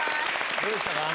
どうでしたか？